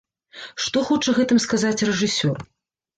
Што хоча гэтым сказаць рэжысёр?